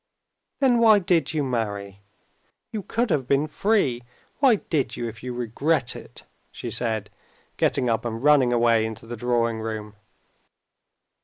"Then why did you marry? You could have been free. Why did you, if you regret it?" she said, getting up and running away into the drawing room.